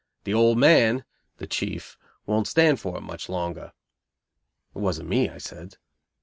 The old man (the chief) won't stand for it much longer." "It wasn't me," I said.